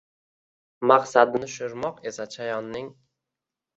Maqsadi nish urmoq esa chayonning